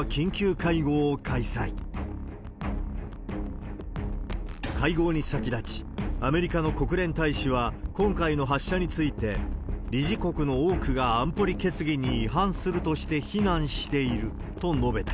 会合に先立ち、アメリカの国連大使は今回の発射について、理事国の多くが安保理決議に違反するとして非難していると述べた。